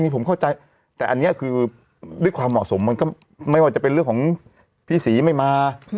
ผมเข้าใจแต่อันนี้คือด้วยความเหมาะสมมันก็ไม่ว่าจะเป็นเรื่องของพี่ศรีไม่มา